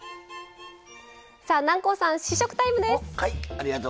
南光さん、試食タイムです。